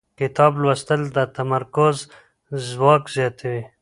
کتاب لوستل د تمرکز ځواک زیاتوي